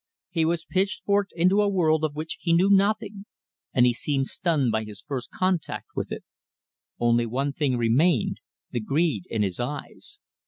He was pitchforked into a world of which he knew nothing, and he seemed stunned by his first contact with it. Only one thing remained the greed in his eyes.